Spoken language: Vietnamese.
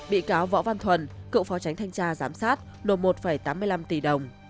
bị cáo võ văn thuần cựu phó tránh thanh tra giám sát nộp một tám mươi năm tỷ đồng